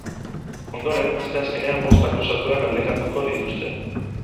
Ondoren, asteazkenean, bost akusatuak galdekatuko dituzte.